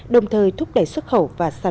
đồng thời thúc đẩy xuất khẩu và sản phẩm sa cầm